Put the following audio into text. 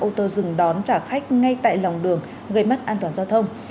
ô tô dừng đón trả khách ngay tại lòng đường gây mất an toàn giao thông